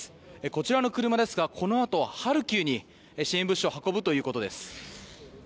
こちらの車ですがこのあとハルキウに支援物資を運ぶということです。